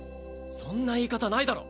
そんな言い方ないだろ。